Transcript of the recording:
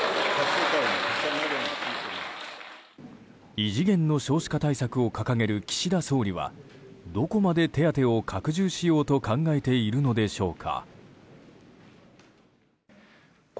異次元の少子化対策を掲げる岸田総理はどこまで手当を拡充しようと考えているのでしょうか。